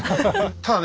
ただね